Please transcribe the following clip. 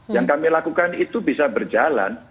yang kami lakukan itu bisa berjalan